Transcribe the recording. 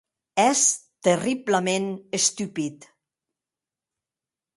Ès terriblaments estupid.